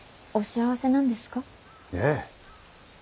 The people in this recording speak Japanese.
お幸せなんですか？